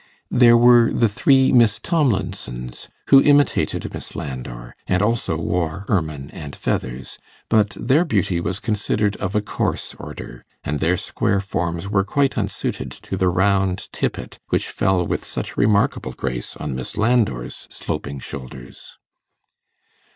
There were the three Miss Tomlinsons, who imitated Miss Landor, and also wore ermine and feathers; but their beauty was considered of a coarse order, and their square forms were quite unsuited to the round tippet which fell with such remarkable grace on Miss Landor's sloping shoulders.